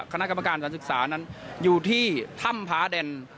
คณะกรรมการสถานศึกษานั้นอยู่ที่ถ้ำพาแดน